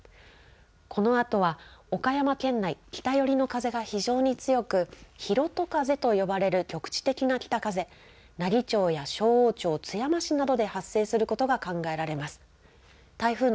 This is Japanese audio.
このあとは岡山県内、北寄りの風が非常に強く、ひろと風と呼ばれる局地的な北風、なり町やしょうおう町、津山市などで発生することが考えられます。